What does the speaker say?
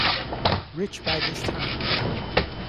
Rich by this time.